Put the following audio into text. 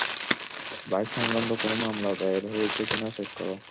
Bike সংক্রান্ত কোন মামলা, দায়ের হয়েছে কিনা চেক কর।